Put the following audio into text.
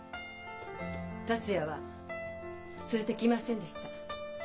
達也は連れてきませんでした。